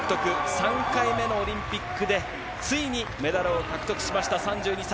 ３回目のオリンピックで、ついにメダルを獲得しました、３２歳。